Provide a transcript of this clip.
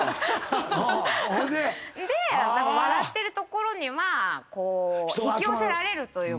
ほいで？で笑ってるところには引き寄せられるというか。